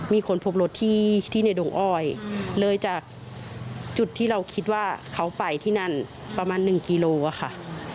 มีคนพบรถที่ในดงอ้อยเลยจากจุดที่เราคิดว่าเขาไปที่นั่นประมาณ๑กิโลค่ะ